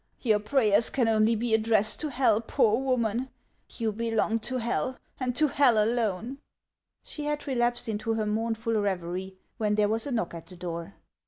Your prayers can only be addressed to hell, poor woman ! You belong to hell, and to hell alone." HANS OF ICELAND 193 She had relapsed into her mournful revery, when there was a knock at the door.